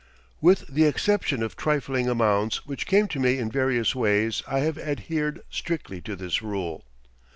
With the exception of trifling amounts which came to me in various ways I have adhered strictly to this rule.